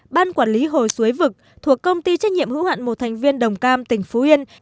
ban quản lý hồ suối vực thuộc công ty trách nhiệm hữu hạn một thành viên đồng cam tỉnh phú yên